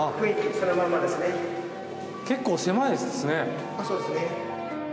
結構狭いですね。